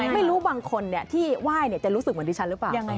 ไม่รู้บางคนที่ไหว้จะรู้สึกเหมือนดิฉันหรือเปล่า